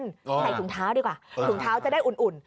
ใส่ถุงเท้าดีกว่าถุงเท้าจะได้อุ่น